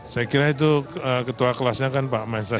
saya kira itu ketua kelasnya kan pak mensa